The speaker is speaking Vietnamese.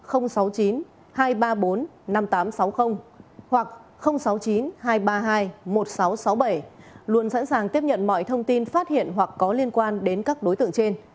hoặc sáu mươi chín hai trăm ba mươi hai một nghìn sáu trăm sáu mươi bảy luôn sẵn sàng tiếp nhận mọi thông tin phát hiện hoặc có liên quan đến các đối tượng trên